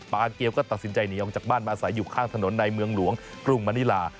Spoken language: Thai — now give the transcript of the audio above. เกียวก็ตัดสินใจหนีออกจากบ้านมาใส่อยู่ข้างถนนในเมืองหลวงกรุงมณิลา